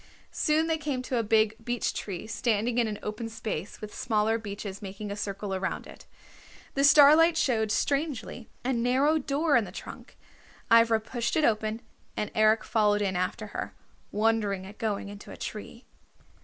Soon they came to a big beech tree standing in an open space with smaller beeches making a circle around it. The starlight showed, strangely, a narrow door in the trunk. Ivra pushed it open and Eric followed in after her, wondering at going into a tree.